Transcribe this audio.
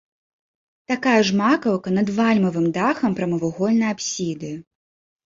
Такая ж макаўка над вальмавым дахам прамавугольнай апсіды.